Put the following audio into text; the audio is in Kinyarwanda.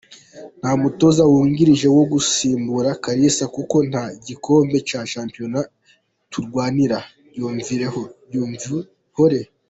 Nta mutoza wungirije wo gusimbura Kalisa kuko nta gikombe cya shampiyona turwanira-Byumvuhore.